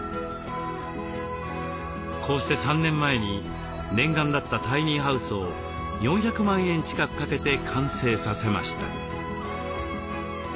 こうして３年前に念願だったタイニーハウスを４００万円近くかけて完成させました。